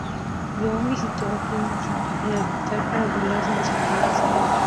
John visitó a Quincy en el hospital para burlarse de su desgracia.